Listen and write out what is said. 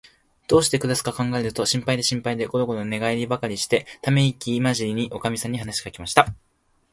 どうしてくらすかかんがえると、心配で心配で、ごろごろ寝がえりばかりして、ためいきまじりに、おかみさんに話しかけました。